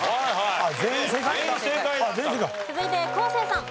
続いて昴生さん。